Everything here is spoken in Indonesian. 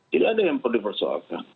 tidak ada yang perlu dipersoalkan